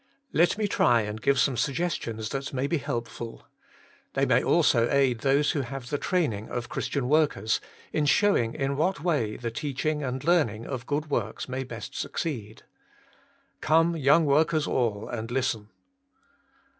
Let me try and give some suggestions that may be helpful. They may also aid those who have the training of Christian workers, in showing in what way the teaching and learning of good works may best succeed. Come, young workers all, and listen.